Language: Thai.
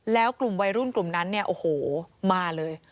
แล้วกลุ่มวัยรุ่นกลุ่มนั้นเนี่ยโอ้โหมาเลย